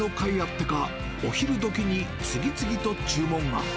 いあってか、お昼どきに次々と注文が。